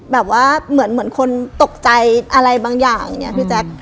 แบบว่าเหมือนคนตกใจอะไรบางอย่างอย่างนี้พี่แจ๊ค